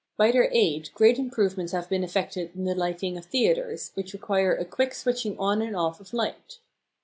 By their aid great improvements have been effected in the lighting of theatres, which require a quick switching on and off of light.